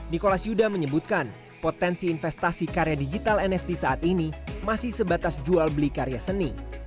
nikolas yuda menyebutkan potensi investasi karya digital nft saat ini masih sebatas jual beli karya seni